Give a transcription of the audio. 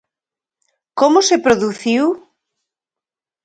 Como se produciu?